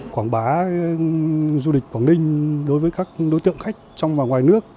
quảng bá du lịch quảng ninh đối với các đối tượng khách trong và ngoài nước